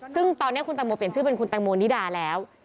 ซึ่งตอนนี้คุณตังโมเปลี่ยนชื่อเป็นคุณแตงโมนิดาแล้ว